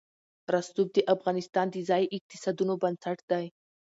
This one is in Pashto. رسوب د افغانستان د ځایي اقتصادونو بنسټ دی.